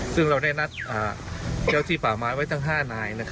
ซึ่งเราได้นัดเจ้าที่ป่าไม้ไว้ทั้ง๕นาย